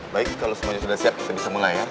baik kalau semuanya sudah siap kita bisa melayar